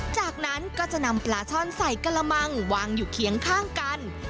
จากนั้นก็จะนำปลาช่อนใส่กระมังวางอยู่เคียงข้างกัน